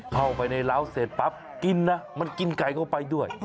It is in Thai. เข้าไปในร้าวเสร็จปั๊บกินนะมันกินไก่เข้าไปด้วย